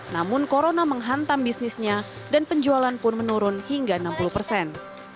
namun corona menghantam bisnisnya dan penjualan pun menurun hingga enam puluh persen